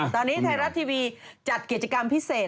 ตอนนี้ไทยรัฐทีวีจัดกิจกรรมพิเศษ